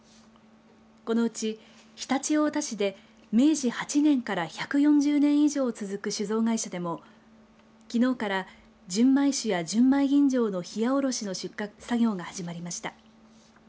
このうち、常陸太田市で明治８年から１４０年以上続く酒造会社でもきのうから純米酒や純米吟醸のひやおろしの出荷作業が始まりました。